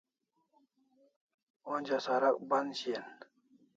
Onja sarak ban shian